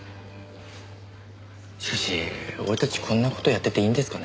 しかし俺たちこんな事やってていいんですかね？